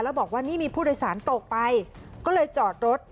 แล้วบอกว่านี่มีผู้โดยสารตกไปก็เลยจอดรถ